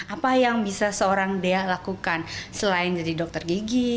apa yang bisa seorang dea lakukan selain jadi dokter gigi